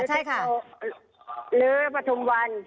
หรือประถุมวัน